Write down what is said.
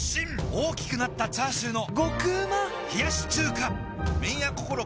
大きくなったチャーシューの麺屋こころ